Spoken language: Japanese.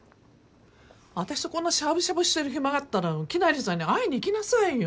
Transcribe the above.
あたしとこんなしゃぶしゃぶしてる暇があったらきなりさんに会いに行きなさいよ。